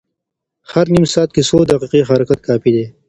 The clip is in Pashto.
هر نیم ساعت کې څو دقیقې حرکت کافي دی.